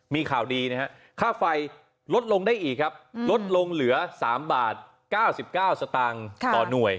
มีข่าวดีนะฮะค่าไฟลดลงได้อีกครับลดลงเหลือ๓บาท๙๙สตางค์ต่อหน่วย